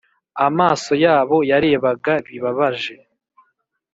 amaso yabo yarebaga bibabaje.